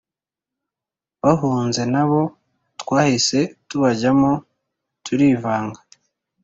bahunze nabo twahise tubajyamo turivanga